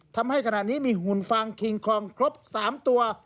ทำให้ขณะนี้มีหุ่นฟางคิงคองครบ๓ตัว